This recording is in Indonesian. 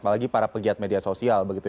apalagi para pegiat media sosial begitu ya